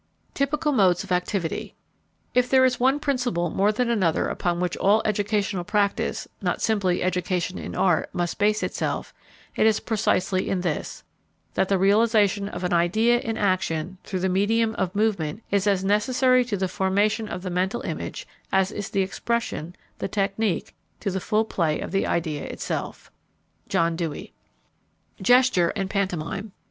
TYPICAL MODES OF ACTIVITY "If there is one principle more than another upon which all educational practice, not simply education in art, must base itself, it is precisely in this: that the realization of an idea in action through the medium of movement is as necessary to the formation of the mental image as is the expression, the technique, to the full play of the idea itself." John Dewey. _Gesture and Pantomime.